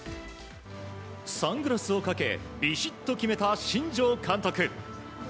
サングラスをかけびしっと決めた新庄監督。